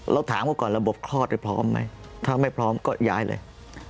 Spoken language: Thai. เราถามว่าก่อนระบบคลอดไปพร้อมไหมถ้าไม่พร้อมก็ย้ายเลย